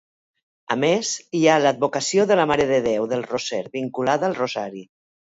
A més, hi ha l'advocació de la Mare de Déu del Roser, vinculada al rosari.